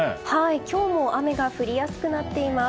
今日も雨が降りやすくなっています。